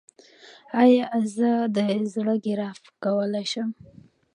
ایا زه د زړه ګراف کولی شم؟